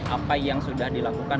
apa yang sudah dilakukan